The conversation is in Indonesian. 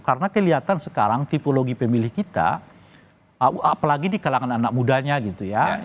karena kelihatan sekarang tipologi pemilih kita apalagi di kalangan anak mudanya gitu ya